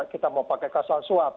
kita mau pakai kasus suap